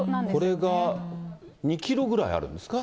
これが２キロぐらいあるんですか。